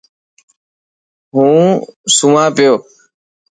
هون سوان پيو.